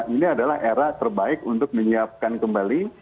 ini adalah era terbaik untuk menyiapkan kembali